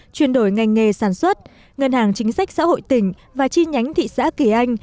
chuyển đổi ngành nghề sản xuất ngân hàng chính sách xã hội tỉnh và chi nhánh thị xã kỳ anh